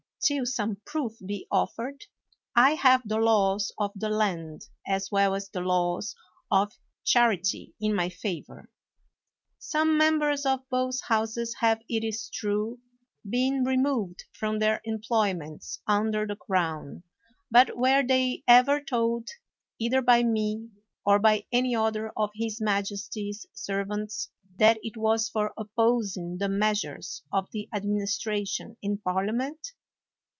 till some proof be offered, I have the laws of the land as well as the laws of charity in my favor. Some members of both Houses have, it is true, been removed from their employments under the Crown ; but were they ever told, either by me or by any other of his majesty's servants, that it was for opposing the measures of the administra tion in Parliament